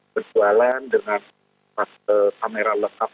berjualan dengan kamera lengkap